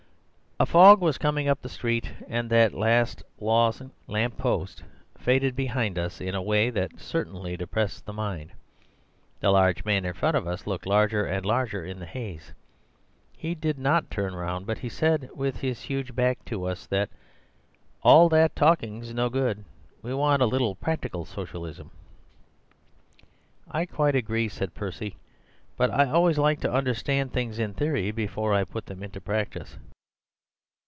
"A fog was coming up the street, and that last lost lamp post faded behind us in a way that certainly depressed the mind. The large man in front of us looked larger and larger in the haze. He did not turn round, but he said with his huge back to us, 'All that talking's no good; we want a little practical Socialism.' "'I quite agree,' said Percy; 'but I always like to understand things in theory before I put them into practice.